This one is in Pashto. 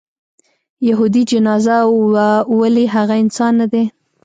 یهودي جنازه وه ولې هغه انسان نه دی.